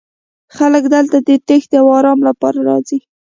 خلک دلته د تیښتې او ارام لپاره راځي